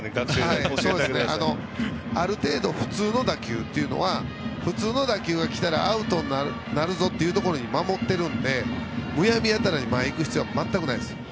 ある程度、普通の打球は普通の打球がきたらアウトになるぞというところに守っているので、前にいく必要は全くないです。